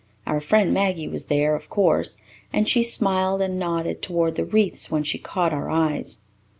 Our friend Maggie was there, of course, and she smiled and nodded towards the wreaths when she caught our eyes.